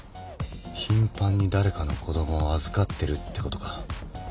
頻繁に誰かの子供を預かってるってことか。